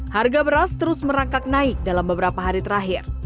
harga beras terus merangkak naik dalam beberapa hari terakhir